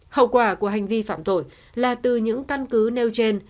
hậu quả của hành vi phạm tội là từ những căn cứ nêu trên